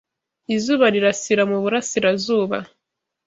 Izuba rirasira mu burasirazuba